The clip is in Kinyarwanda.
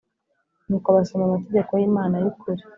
nuko Basoma amategeko y Imana y ukuri